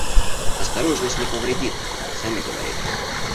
Осторожность не повредит, сами говорили.